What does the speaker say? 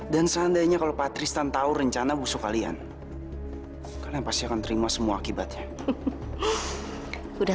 dan seandainya kalau patris tanpa rencana busuk kalian pasti akan terima semua akibatnya udah